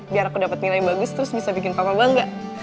biar aku dapat nilai bagus terus bisa bikin papa bangga